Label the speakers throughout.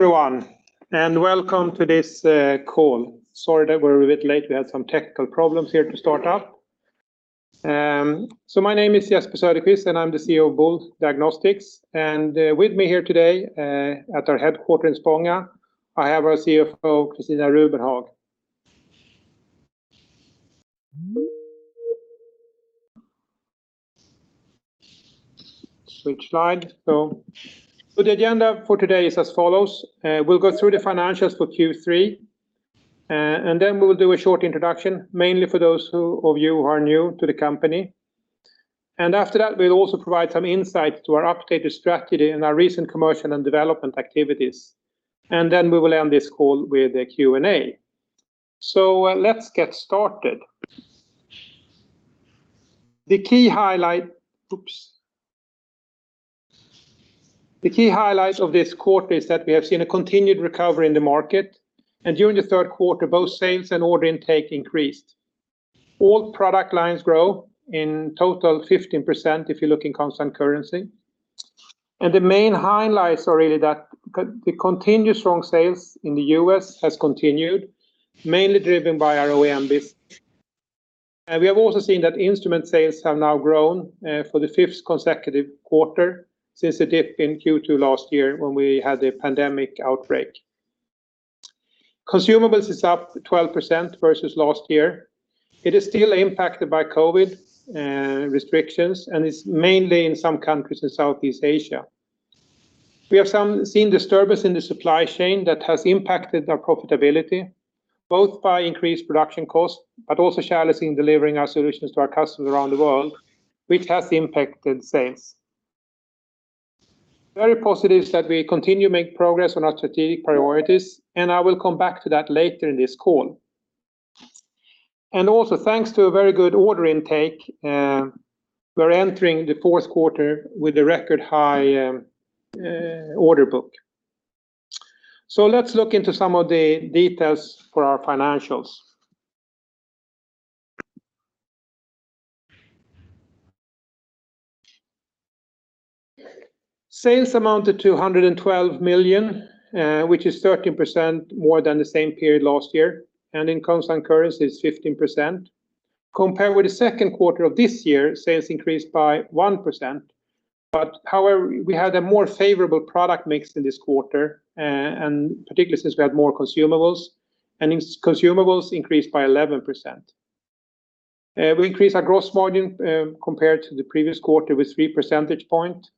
Speaker 1: Everyone, welcome to this call. Sorry that we're a bit late. We had some technical problems here to start up. My name is Jesper Söderqvist, and I'm the CEO of Boule Diagnostics. With me here today at our headquarters in Spånga, I have our CFO, Christina Rubenhag. Switch slide. The agenda for today is as follows. We'll go through the financials for Q3. We will do a short introduction, mainly for those of you who are new to the company. After that, we'll also provide some insight to our updated strategy and our recent commercial and development activities. We will end this call with a Q&A. Let's get started. The key highlight of this quarter is that we have seen a continued recovery in the market, and during the third quarter, both sales and order intake increased. All product lines grow in total 15% if you look in constant currency. The main highlights are really that the continued strong sales in the U.S. has continued, mainly driven by our OEM business. We have also seen that instrument sales have now grown for the fifth consecutive quarter since the dip in Q2 last year when we had the pandemic outbreak. Consumables is up 12% versus last year. It is still impacted by COVID restrictions, and it's mainly in some countries in Southeast Asia. We have seen disturbance in the supply chain that has impacted our profitability, both by increased production costs, but also challenges in delivering our solutions to our customers around the world, which has impacted sales. Very positive that we continue to make progress on our strategic priorities, and I will come back to that later in this call. Also, thanks to a very good order intake, we're entering the fourth quarter with a record high order book. Let's look into some of the details for our financials. Sales amounted to 112 million, which is 13% more than the same period last year, and in constant currency, it's 15%. Compared with the second quarter of this year, sales increased by 1%. However, we had a more favorable product mix in this quarter, and particularly since we had more consumables, and consumables increased by 11%. We increased our gross margin, compared to the previous quarter with 3 percentage points,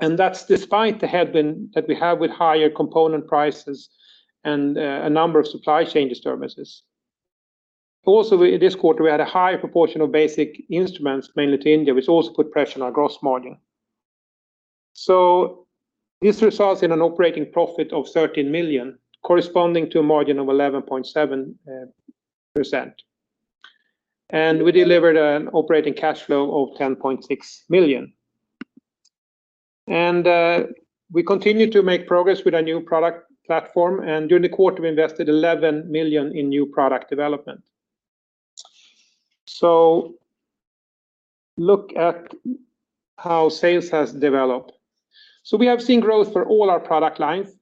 Speaker 1: and that's despite the headwind that we have with higher component prices and a number of supply chain disturbances. Also, this quarter, we had a higher proportion of basic instruments, mainly to India, which also put pressure on our gross margin. This results in an operating profit of 13 million, corresponding to a margin of 11.7%. We delivered an operating cash flow of 10.6 million. We continue to make progress with our new product platform, and during the quarter, we invested 11 million in new product development. Look at how sales has developed. We have seen growth for all our product lines.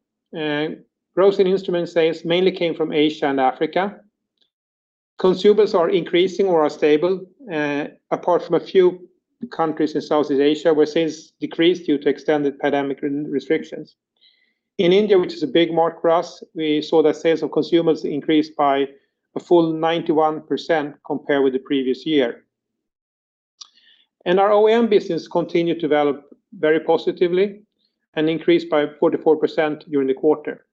Speaker 1: Growth in instrument sales mainly came from Asia and Africa. Consumables are increasing or are stable, apart from a few countries in Southeast Asia, where sales decreased due to extended pandemic restrictions. In India, which is a big market for us, we saw that sales of consumables increased by a full 91% compared with the previous year. Our OEM business continued to develop very positively and increased by 44% during the quarter.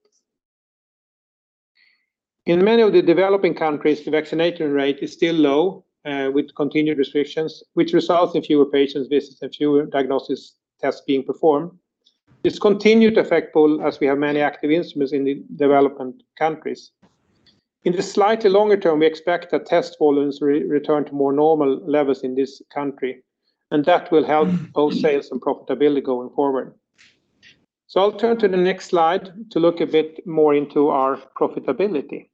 Speaker 1: In many of the developing countries, the vaccination rate is still low, with continued restrictions, which results in fewer patient visits and fewer diagnostic tests being performed. This continued to affect Boule as we have many active instruments in the developing countries. In the slightly longer term, we expect that test volumes return to more normal levels in this country, and that will help both sales and profitability going forward. I'll turn to the next slide to look a bit more into our profitability.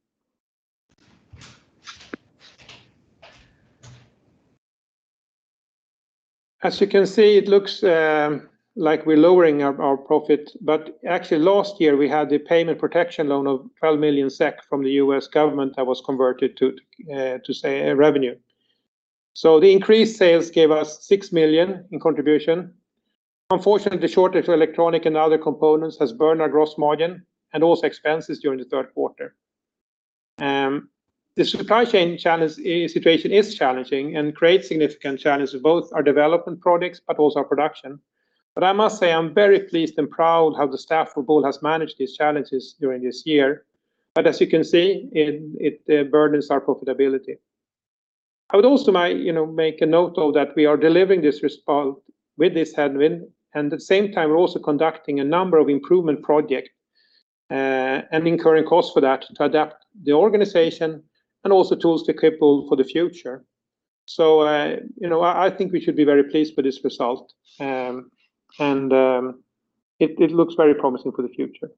Speaker 1: As you can see, it looks like we're lowering our profit, but actually last year, we had the Paycheck Protection Program loan of 12 million SEK from the U.S. government that was converted to revenue. The increased sales gave us 6 million in contribution. Unfortunately, the shortage of electronic and other components has burned our gross margin and also expenses during the third quarter. The supply chain situation is challenging and creates significant challenges to both our development products but also our production. I must say I'm very pleased and proud how the staff of Boule has managed these challenges during this year. As you can see, it burdens our profitability. I would also, you know, make a note of that we are delivering this result with this headwind, and at the same time, we're also conducting a number of improvement project and incurring costs for that to adapt the organization and also tools to equip Boule for the future. You know, I think we should be very pleased with this result. It looks very promising for the future.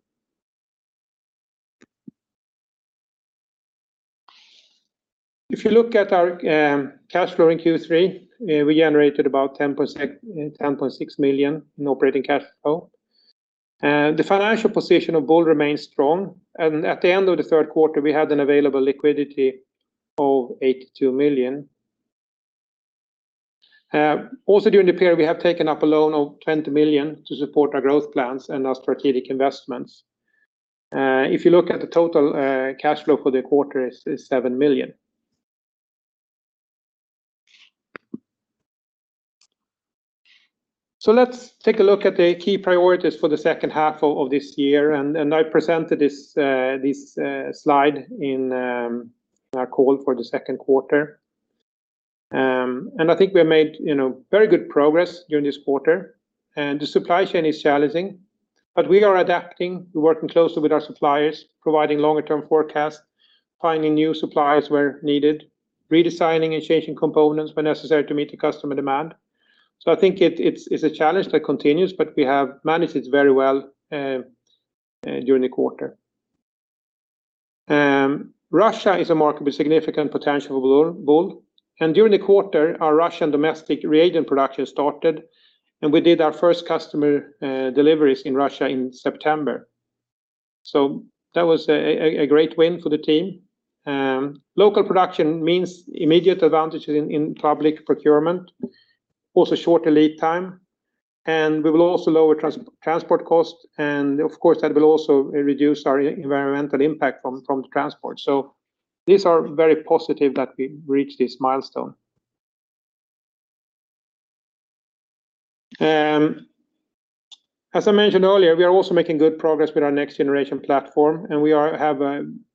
Speaker 1: If you look at our cash flow in Q3, we generated about 10.6 million SEK in operating cash flow. The financial position of Boule remains strong, and at the end of the third quarter, we had an available liquidity of 82 million. Also during the period, we have taken up a loan of 20 million to support our growth plans and our strategic investments. If you look at the total cash flow for the quarter is 7 million. Let's take a look at the key priorities for the second half of this year, and I presented this slide in our call for the second quarter. I think we have made, you know, very good progress during this quarter. The supply chain is challenging, but we are adapting. We're working closely with our suppliers, providing longer term forecasts, finding new suppliers where needed, redesigning and changing components where necessary to meet the customer demand. I think it's a challenge that continues, but we have managed it very well during the quarter. Russia is a market with significant potential for Boule, and during the quarter, our Russian domestic reagent production started, and we did our first customer deliveries in Russia in September. That was a great win for the team. Local production means immediate advantage in public procurement, also shorter lead time, and we will also lower transport costs and of course, that will also reduce our environmental impact from transport. These are very positive that we reached this milestone. As I mentioned earlier, we are also making good progress with our next generation platform, and we have a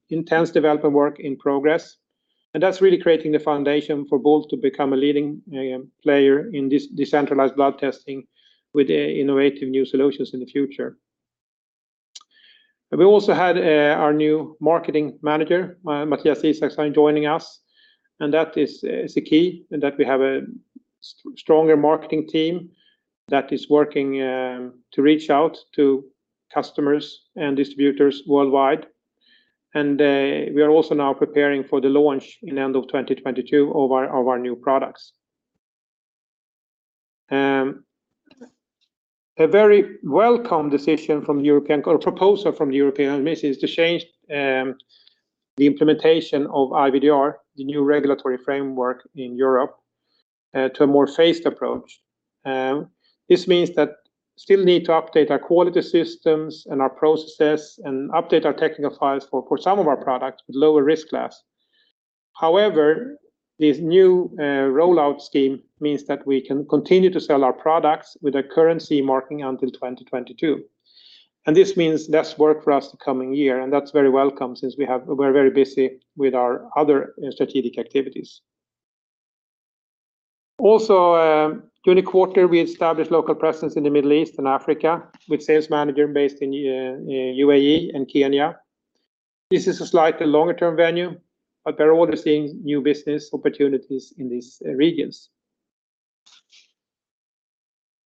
Speaker 1: intense development work in progress, and that's really creating the foundation for Boule to become a leading player in this decentralized blood testing with innovative new solutions in the future. We also had our new Marketing Manager, Mattias Isaksson, joining us, and that is the key in that we have a stronger marketing team that is working to reach out to customers and distributors worldwide. We are also now preparing for the launch in end of 2022 of our new products. A very welcome decision from European or proposal from European Commission is to change the implementation of IVDR, the new regulatory framework in Europe, to a more phased approach. This means that we still need to update our quality systems and our processes and update our technical files for some of our products with lower risk class. However, this new rollout scheme means that we can continue to sell our products with a CE marking until 2022. This means less work for us the coming year, and that's very welcome since we're very busy with our other strategic activities. During the quarter, we established local presence in the Middle East and Africa with sales manager based in UAE and Kenya. This is a slightly longer-term venture, but we're already seeing new business opportunities in these regions.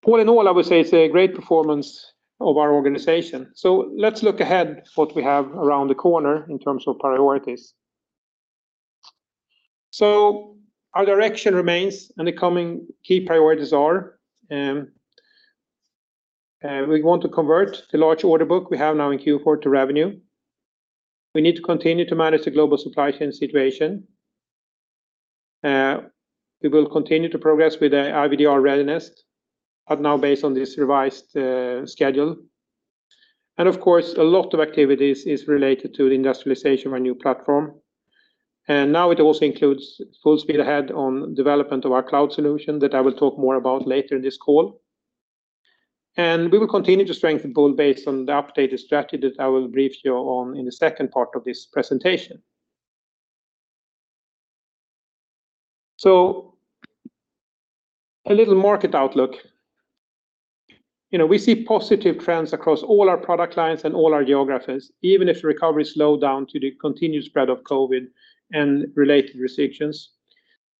Speaker 1: All in all, I would say it's a great performance of our organization. Let's look ahead to what we have around the corner in terms of priorities. Our direction remains, and the coming key priorities are, we want to convert the large order book we have now in Q4 to revenue. We need to continue to manage the global supply chain situation. We will continue to progress with the IVDR readiness, but now based on this revised schedule. Of course, a lot of activities is related to the industrialization of our new platform. Now it also includes full speed ahead on development of our cloud solution that I will talk more about later in this call. We will continue to strengthen Boule based on the updated strategy that I will brief you on in the second part of this presentation. A little market outlook. You know, we see positive trends across all our product lines and all our geographies, even if the recovery slowed down due to continued spread of COVID and related restrictions.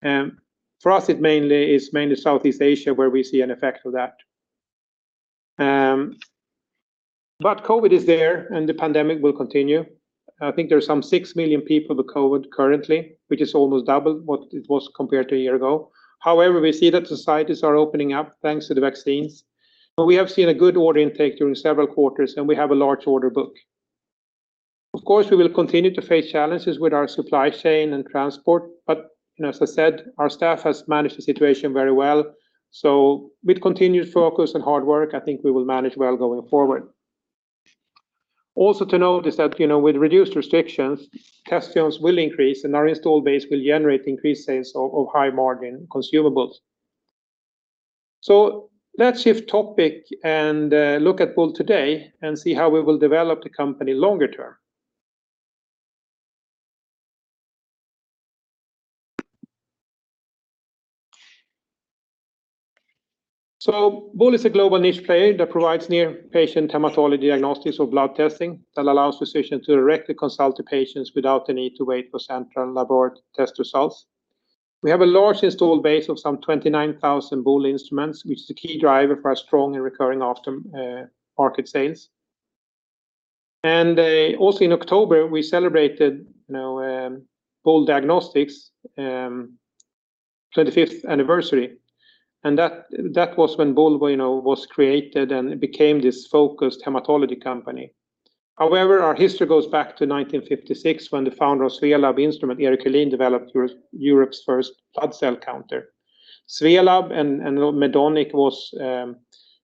Speaker 1: For us, it's mainly Southeast Asia where we see an effect of that. COVID is there, and the pandemic will continue. I think there are some 6 million people with COVID currently, which is almost double what it was compared to a year ago. However, we see that societies are opening up thanks to the vaccines, but we have seen a good order intake during several quarters, and we have a large order book. Of course, we will continue to face challenges with our supply chain and transport, but you know, as I said, our staff has managed the situation very well. With continued focus and hard work, I think we will manage well going forward. Also to note is that, you know, with reduced restrictions, test volumes will increase, and our install base will generate increased sales of high margin consumables. Let's shift topic and look at Boule today and see how we will develop the company longer term. Boule is a global niche player that provides near patient hematology diagnostics or blood testing that allows physicians to directly consult the patients without the need to wait for central lab or test results. We have a large installed base of some 29,000 Boule instruments, which is a key driver for our strong and recurring aftermarket sales. Also in October, we celebrated, you know, Boule Diagnostics' 25th anniversary, and that was when Boule, you know, was created, and it became this focused hematology company. However, our history goes back to 1956 when the founder of Swelab Instrument, Erik Öhlin, developed Europe's first blood cell counter. Swelab and Medonic was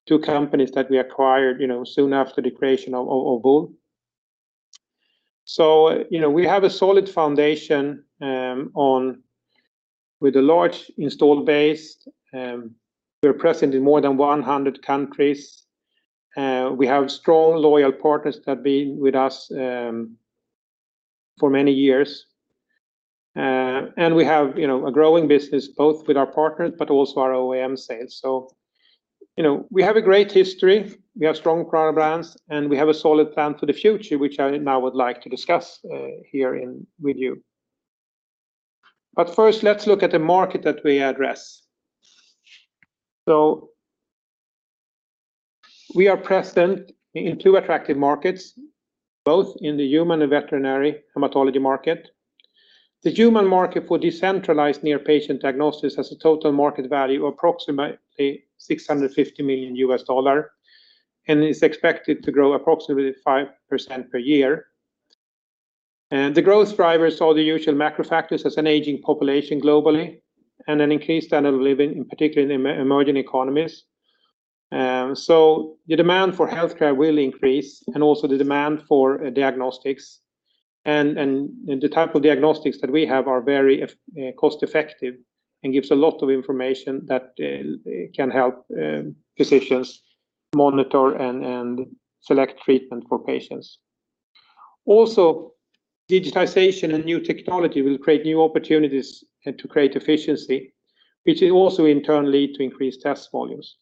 Speaker 1: two companies that we acquired, you know, soon after the creation of Boule. You know, we have a solid foundation on with a large installed base. We're present in more than 100 countries. We have strong, loyal partners that have been with us for many years. We have, you know, a growing business both with our partners, but also our OEM sales. You know, we have a great history, we have strong product brands, and we have a solid plan for the future, which I now would like to discuss, here with you. First, let's look at the market that we address. We are present in two attractive markets, both in the human and veterinary hematology market. The human market for decentralized near-patient diagnostics has a total market value of approximately $650 million and is expected to grow approximately 5% per year. The growth drivers are the usual macro factors as an aging population globally and an increased standard of living, in particular in emerging economies. The demand for healthcare will increase and also the demand for diagnostics and the type of diagnostics that we have are very cost-effective and gives a lot of information that can help physicians monitor and select treatment for patients. Also, digitization and new technology will create new opportunities and to create efficiency, which will also in turn lead to increased test volumes.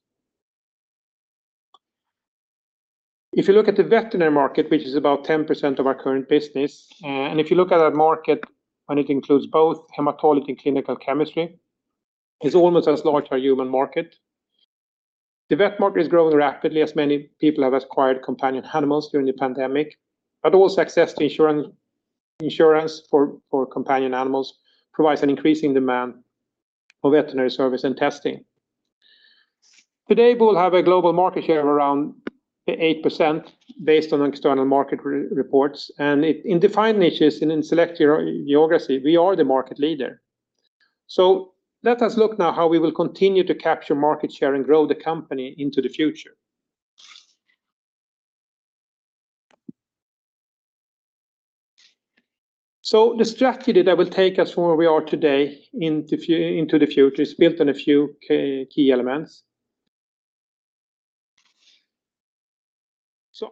Speaker 1: If you look at the veterinary market, which is about 10% of our current business, and if you look at that market and it includes both hematology and clinical chemistry, it's almost as large a human market. The vet market is growing rapidly, as many people have acquired companion animals during the pandemic. Also access to insurance for companion animals provides an increasing demand for veterinary service and testing. Today, Boule has a global market share of around 8% based on external market reports and in defined niches and in select geography, we are the market leader. Let us look now how we will continue to capture market share and grow the company into the future. The strategy that will take us from where we are today into the future is built on a few key elements.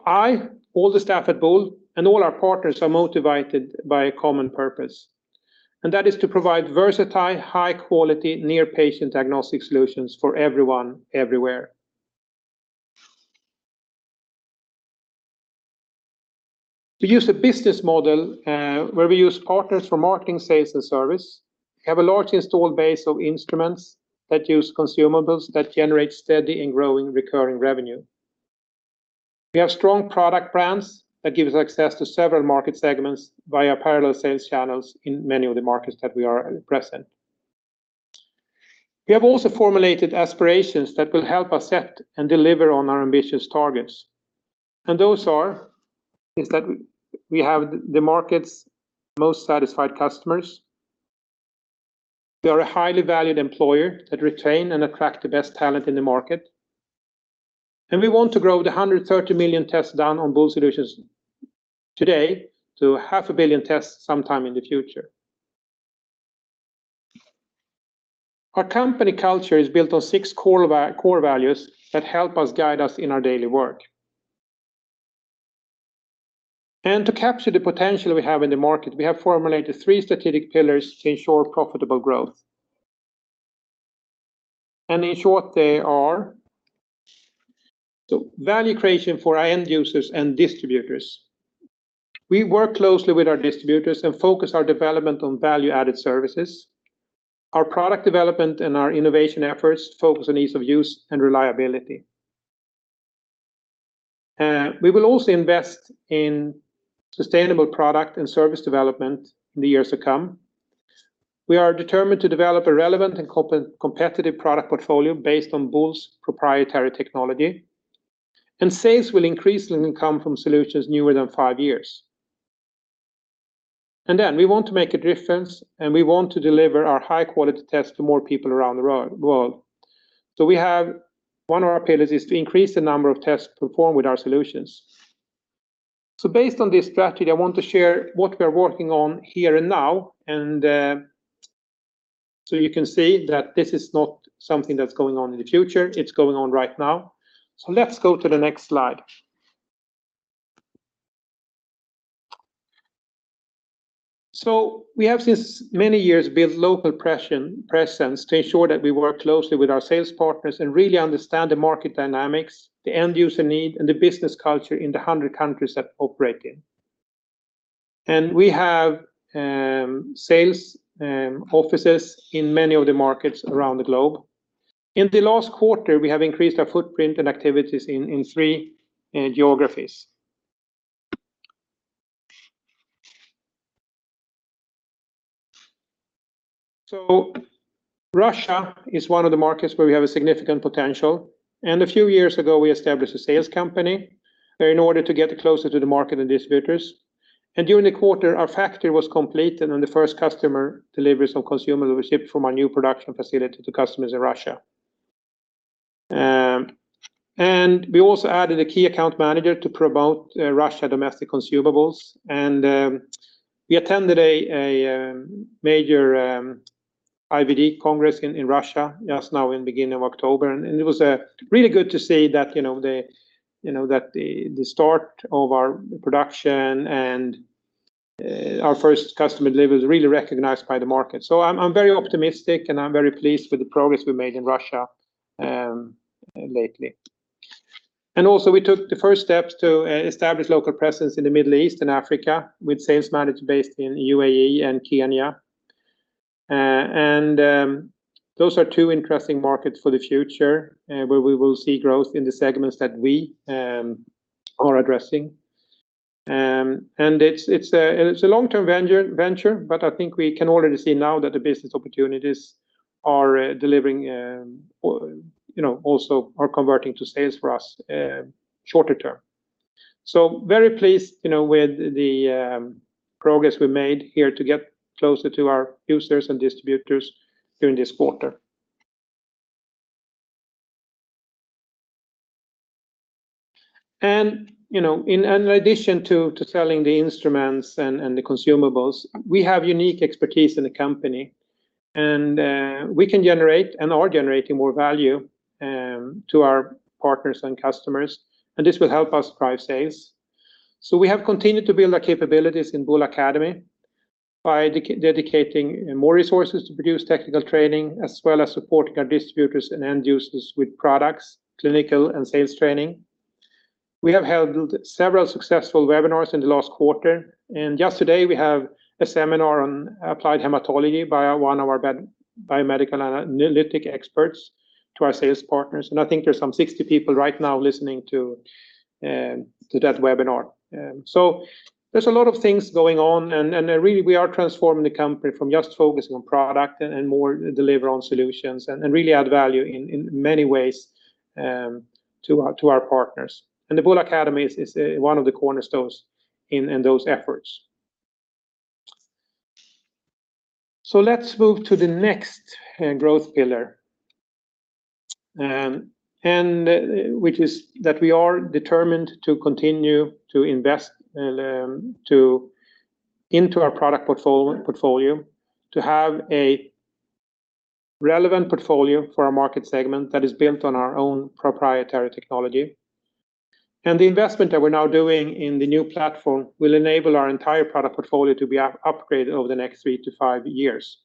Speaker 1: I, all the staff at Boule, and all our partners are motivated by a common purpose, and that is to provide versatile, high quality, near-patient diagnostic solutions for everyone, everywhere. We use a business model where we use partners for marketing, sales and service. We have a large installed base of instruments that use consumables that generate steady and growing recurring revenue. We have strong product brands that gives us access to several market segments via parallel sales channels in many of the markets that we are present. We have also formulated aspirations that will help us set and deliver on our ambitious targets. Those are that we have the market's most satisfied customers. We are a highly valued employer that retain and attract the best talent in the market. We want to grow the 130 million tests done on Boule solutions today to 500 million tests sometime in the future. Our company culture is built on six core values that help us guide us in our daily work. To capture the potential we have in the market, we have formulated three strategic pillars to ensure profitable growth. In short, they are value creation for our end users and distributors. We work closely with our distributors and focus our development on value-added services. Our product development and our innovation efforts focus on ease of use and reliability. We will also invest in sustainable product and service development in the years to come. We are determined to develop a relevant and competitive product portfolio based on Boule's proprietary technology, and sales will increasingly come from solutions newer than five years. Then we want to make a difference, and we want to deliver our high quality tests to more people around the world. We have one of our pillars is to increase the number of tests performed with our solutions. Based on this strategy, I want to share what we are working on here and now. You can see that this is not something that's going on in the future. It's going on right now. Let's go to the next slide. We have since many years built local presence to ensure that we work closely with our sales partners and really understand the market dynamics, the end user need, and the business culture in the 100 countries that we operate in. We have sales offices in many of the markets around the globe. In the last quarter, we have increased our footprint and activities in three geographies. Russia is one of the markets where we have a significant potential, and a few years ago, we established a sales company in order to get closer to the market and distributors. During the quarter, our factory was completed, and the first customer deliveries of consumables were shipped from our new production facility to customers in Russia. We also added a key account manager to promote Russian domestic consumables. We attended a major IVD congress in Russia just now at the beginning of October, and it was really good to see that, you know, the start of our production and our first customer delivery was really recognized by the market. I'm very optimistic, and I'm very pleased with the progress we made in Russia lately. We took the first steps to establish local presence in the Middle East and Africa with sales manager based in UAE and Kenya. Those are two interesting markets for the future where we will see growth in the segments that we are addressing. It's a long-term venture, but I think we can already see now that the business opportunities are delivering, you know, also are converting to sales for us shorter term. Very pleased, you know, with the progress we made here to get closer to our users and distributors during this quarter. In addition to selling the instruments and the consumables, we have unique expertise in the company and we can generate and are generating more value to our partners and customers, and this will help us drive sales. We have continued to build our capabilities in Boule Academy by dedicating more resources to produce technical training, as well as supporting our distributors and end users with products, clinical and sales training. We have held several successful webinars in the last quarter, and just today we have a seminar on applied hematology by one of our biomedical analytical experts to our sales partners, and I think there's some 60 people right now listening to that webinar. There's a lot of things going on, and really we are transforming the company from just focusing on product and more to deliver on solutions and really add value in many ways to our partners. The Boule Academy is one of the cornerstones in those efforts. Let's move to the next growth pillar, which is that we are determined to continue to invest into our product portfolio, to have a relevant portfolio for our market segment that is built on our own proprietary technology. The investment that we're now doing in the new platform will enable our entire product portfolio to be upgraded over the next three to five years.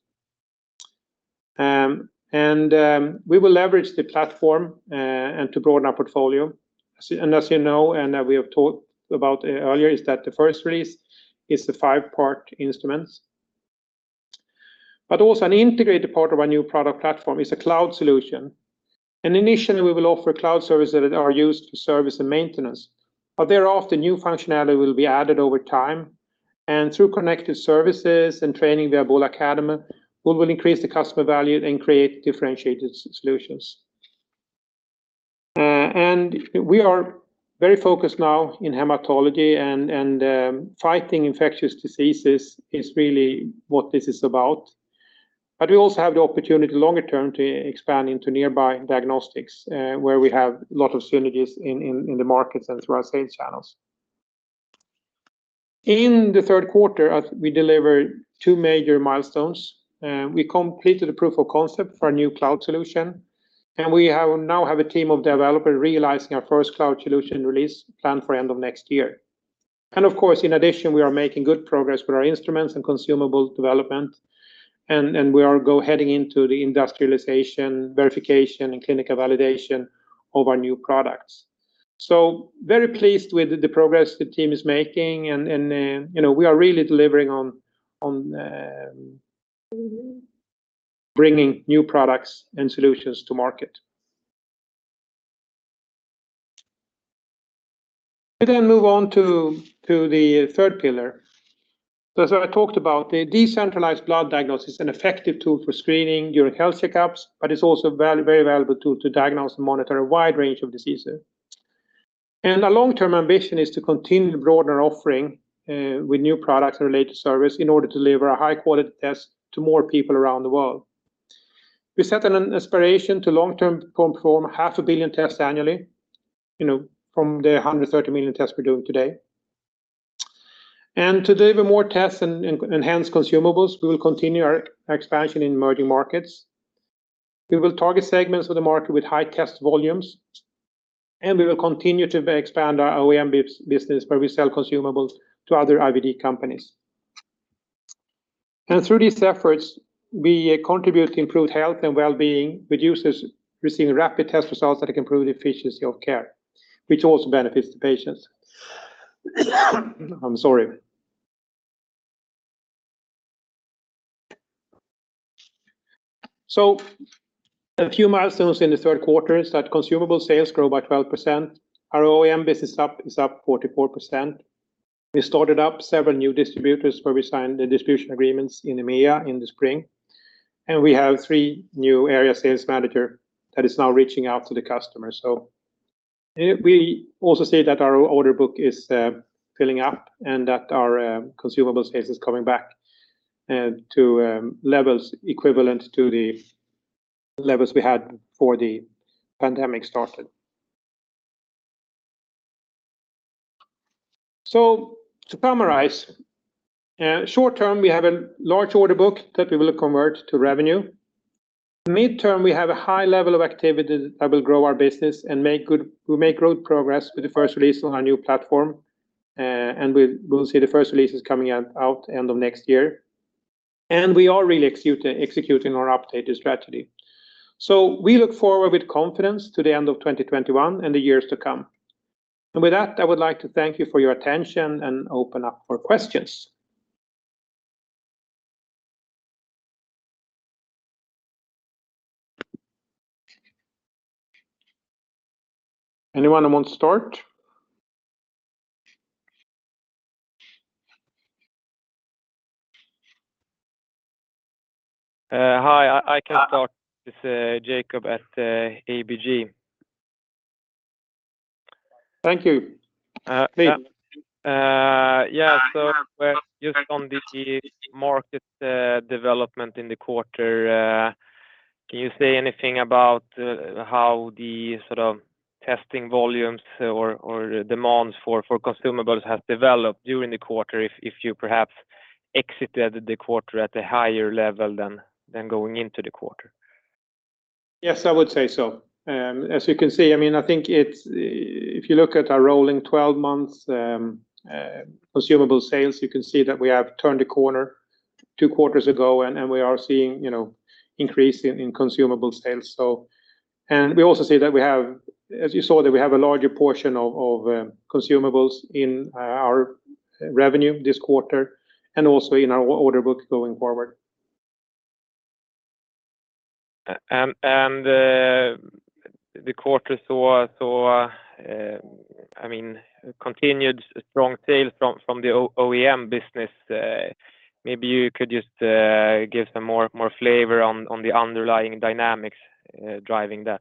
Speaker 1: We will leverage the platform and to broaden our portfolio. As you know, we have talked about earlier is that the first release is the five-part instruments. Also an integrated part of our new product platform is a cloud solution, and initially we will offer cloud services that are used for service and maintenance. Thereafter, new functionality will be added over time, and through connected services and training via Boule Academy, Boule will increase the customer value and create differentiated solutions. We are very focused now in hematology, fighting infectious diseases is really what this is about. We also have the opportunity longer term to expand into near-patient diagnostics, where we have a lot of synergies in the markets and through our sales channels. In the third quarter, we delivered two major milestones. We completed a proof of concept for our new cloud solution, and we now have a team of developers realizing our first cloud solution release planned for end of next year. Of course, in addition, we are making good progress with our instruments and consumables development and we are heading into the industrialization, verification, and clinical validation of our new products. Very pleased with the progress the team is making and, you know, we are really delivering on bringing new products and solutions to market. We then move on to the third pillar. As I talked about, the decentralized blood testing, an effective tool for screening during health checkups, but it's also very valuable tool to diagnose and monitor a wide range of diseases. Our long-term ambition is to continue to broaden our offering, with new products and related service in order to deliver a high-quality test to more people around the world. We set an aspiration to long term perform half a billion tests annually, you know, from the 130 million tests we're doing today. To deliver more tests and enhanced consumables, we will continue our expansion in emerging markets. We will target segments of the market with high test volumes, and we will continue to expand our OEM business, where we sell consumables to other IVD companies. Through these efforts, we contribute to improved health and well-being with users receiving rapid test results that improve the efficiency of care, which also benefits the patients. A few milestones in the third quarter is that consumable sales grow by 12%. Our OEM business is up 44%. We started up several new distributors where we signed the distribution agreements in EMEA in the spring, and we have three new area sales managers that is now reaching out to the customer. We also see that our order book is filling up and that our consumables sales is coming back to levels equivalent to the levels we had before the pandemic started. To summarize, short term, we have a large order book that we will convert to revenue. Mid-term, we have a high level of activity that will grow our business and make good progress with the first release on our new platform, and we'll see the first releases coming out end of next year. We are really executing our updated strategy. We look forward with confidence to the end of 2021 and the years to come. With that, I would like to thank you for your attention and open up for questions. Anyone who wants to start?
Speaker 2: Hi, I can start. It's Jakob at ABG.
Speaker 1: Thank you. Please.
Speaker 2: Just on the market development in the quarter, can you say anything about how the sort of testing volumes or demands for consumables have developed during the quarter if you perhaps exited the quarter at a higher level than going into the quarter?
Speaker 1: I would say so. As you can see, I mean, I think if you look at our rolling twelve months consumables sales, you can see that we have turned a corner two quarters ago, and we are seeing, you know, increase in consumables sales. We also see that we have, as you saw, a larger portion of consumables in our revenue this quarter and also in our order book going forward.
Speaker 2: The quarter saw, I mean, continued strong sales from the OEM business. Maybe you could just give some more flavor on the underlying dynamics driving that.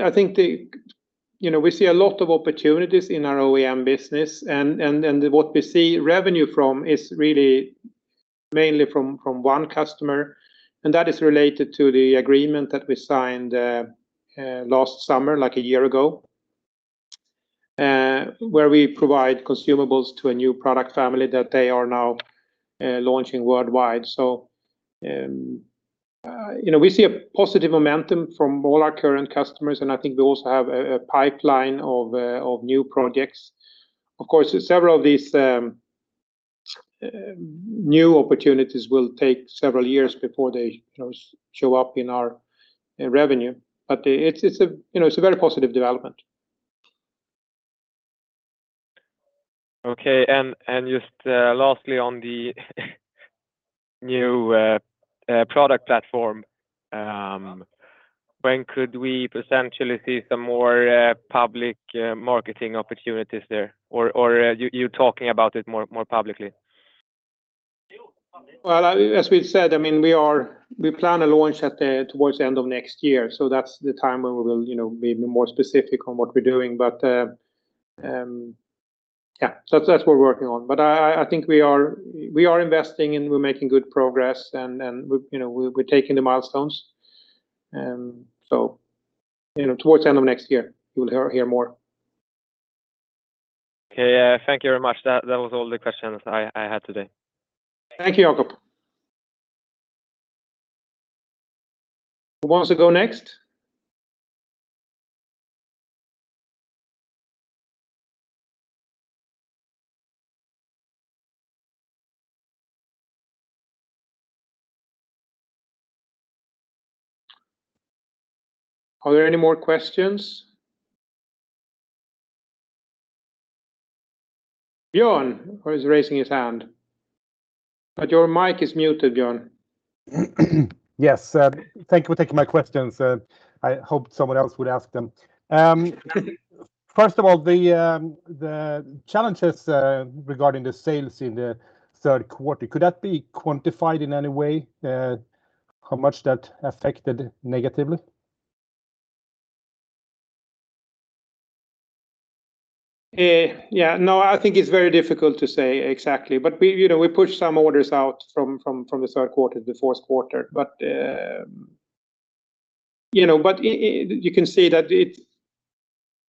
Speaker 1: I think you know we see a lot of opportunities in our OEM business, and what we see revenue from is really mainly from one customer, and that is related to the agreement that we signed last summer, like a year ago, where we provide consumables to a new product family that they are now launching worldwide. You know, we see a positive momentum from all our current customers, and I think we also have a pipeline of new projects. Of course, several of these new opportunities will take several years before they, you know, show up in our revenue. But it's a, you know, very positive development.
Speaker 2: Okay, and just lastly on the new product platform, when could we potentially see some more public marketing opportunities there? Or you talking about it more publicly?
Speaker 1: Well, as we said, I mean, we plan to launch at towards the end of next year. That's the time when we will, you know, be more specific on what we're doing. So that's what we're working on. I think we are investing, and we're making good progress, and we, you know, we're taking the milestones. You know, towards the end of next year, you will hear more.
Speaker 2: Okay. Thank you very much. That was all the questions I had today.
Speaker 1: Thank you, Jakob. Who wants to go next? Are there any more questions? Björn was raising his hand. Your mic is muted, Björn.
Speaker 3: Yes. Thank you for taking my questions. I hoped someone else would ask them. First of all, the challenges regarding the sales in the third quarter, could that be quantified in any way, how much that affected negatively?
Speaker 1: I think it's very difficult to say exactly. We, you know, pushed some orders out from the third quarter to the fourth quarter. You can see that it,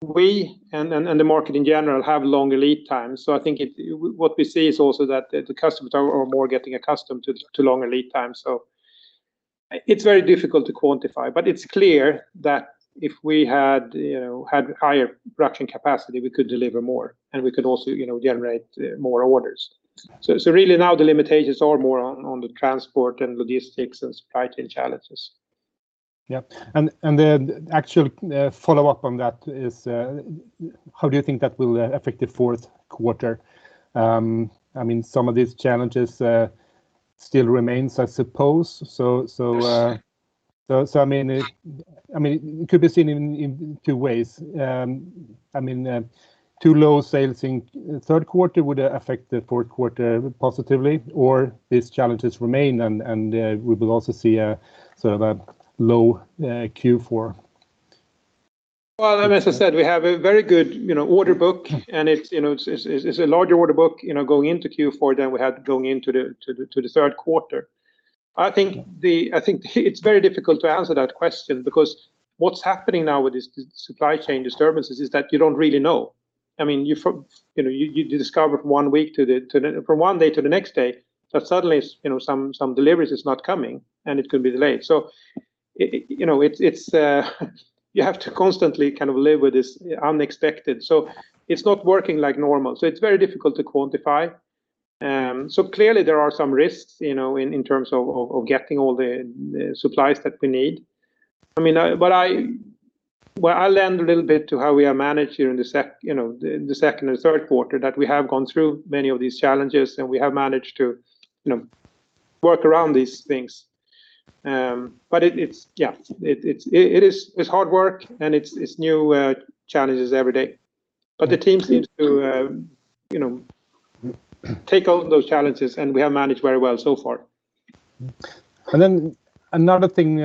Speaker 1: we and the market in general have longer lead times. I think what we see is also that the customers are getting more accustomed to longer lead times. It's very difficult to quantify, but it's clear that if we had, you know, higher production capacity, we could deliver more, and we could also, you know, generate more orders. Really now the limitations are more on the transport and logistics and supply chain challenges.
Speaker 3: The actual follow-up on that is, how do you think that will affect the fourth quarter? I mean, some of these challenges still remains, I suppose. I mean, it could be seen in two ways. I mean, too low sales in third quarter would affect the fourth quarter positively, or these challenges remain and we will also see a sort of a low Q4.
Speaker 1: Well, as I said, we have a very good order book and it's a larger order book, you know, going into Q4 than we had going into the third quarter. I think it's very difficult to answer that question because what's happening now with the supply chain disturbances is that you don't really know. I mean, you know, you discover from one day to the next day that suddenly, you know, some deliveries is not coming and it could be delayed. You know, it's you have to constantly kind of live with this unexpected. It's not working like normal, so it's very difficult to quantify. Clearly there are some risks, you know, in terms of getting all the supplies that we need. I mean, well, I allude a little bit to how we are managed here in the second and third quarter that we have gone through many of these challenges and we have managed to, you know, work around these things. It's hard work and it's new challenges every day. The team seems to, you know, take on those challenges and we have managed very well so far.
Speaker 3: Another thing,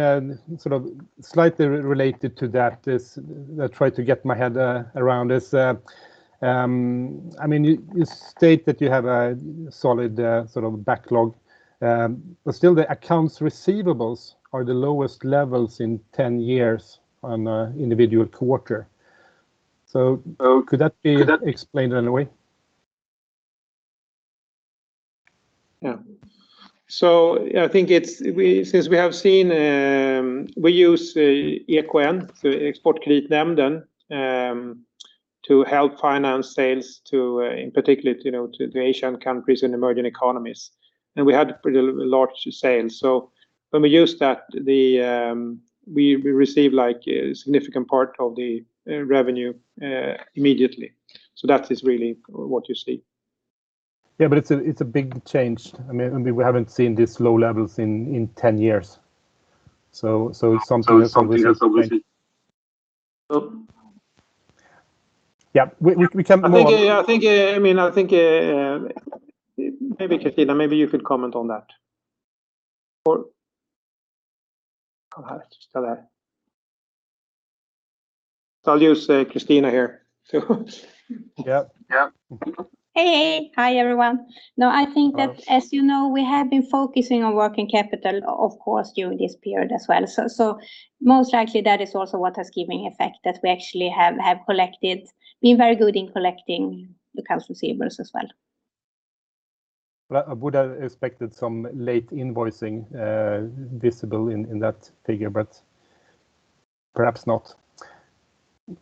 Speaker 3: sort of slightly related to that, is I try to get my head around this. I mean, you state that you have a solid sort of backlog. But still the accounts receivable are the lowest levels in 10 years on an individual quarter. Could that be explained in a way?
Speaker 1: I think since we have seen we use EKN, Exportkreditnämnden to help finance sales to, in particular, you know, to the Asian countries and emerging economies. We had pretty large sales. When we use that, we receive like a significant part of the revenue immediately. That is really what you see.
Speaker 3: But it's a big change. I mean, we haven't seen these low levels in 10 years. It's something that's obviously.
Speaker 1: It's something that's obviously.
Speaker 3: We can move on.
Speaker 1: I think, I mean, maybe Christina, maybe you could comment on that. I'll just tell her. I'll use Christina here.
Speaker 4: Hi, everyone. No, I think that as you know, we have been focusing on working capital of course during this period as well. Most likely that is also what is giving effect that we actually have been very good in collecting accounts receivable as well.
Speaker 3: I would have expected some late invoicing, visible in that figure, but perhaps not.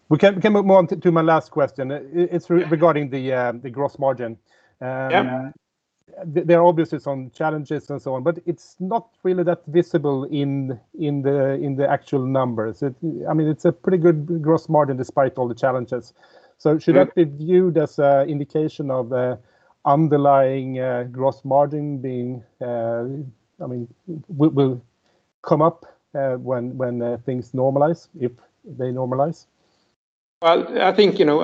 Speaker 3: We can move on to my last question. It's regarding the gross margin. There are obviously some challenges and so on, but it's not really that visible in the actual numbers. I mean, it's a pretty good gross margin despite all the challenges. Should that be viewed as an indication of underlying gross margin being, I mean, will come up when things normalize, if they normalize?
Speaker 1: Well, I think, you know,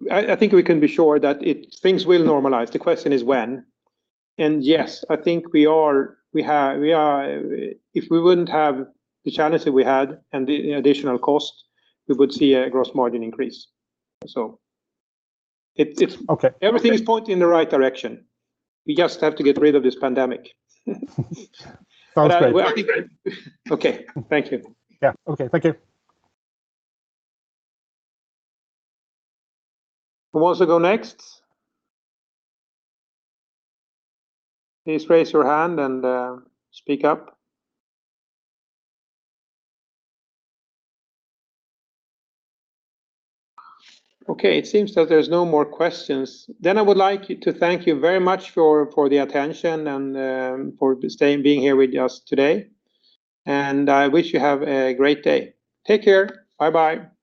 Speaker 1: we can be sure that things will normalize. The question is when? Yes, I think we are. If we wouldn't have the challenges we had and the additional cost, we would see a gross margin increase. Everything is pointing in the right direction. We just have to get rid of this pandemic.
Speaker 3: Sounds great.
Speaker 1: We are doing good. Okay. Thank you.
Speaker 3: Okay. Thank you.
Speaker 1: Who wants to go next? Please raise your hand and speak up. Okay. It seems that there's no more questions. I would like to thank you very much for the attention and for being here with us today. I wish you have a great day. Take care. Bye-bye.